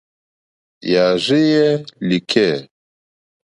Yààrzéyɛ́ lìkɛ̂.